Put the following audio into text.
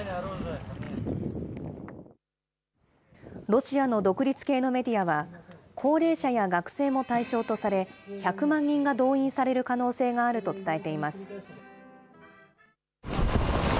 ロシアの独立系のメディアは、高齢者や学生も対象とされ、１００万人が動員される可能性があると伝えています。